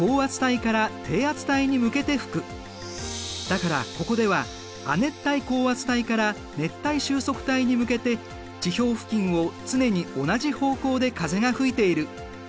だからここでは亜熱帯高圧帯から熱帯収束帯に向けて地表付近を常に同じ方向で風が吹いている。